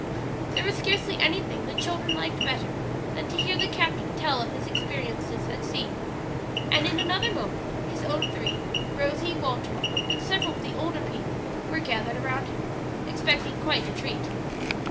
There was scarcely anything the children liked better than to hear the captain tell of his experiences at sea, and in another moment his own three. Rosie, Walter, and several of the older people were gathered around him, expecting quite a treat.